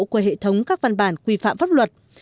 qua hệ thống các văn bản quy phạm pháp luật